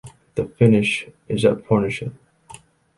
The finish is at Pornichet.